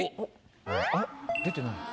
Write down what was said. えっ？出てない。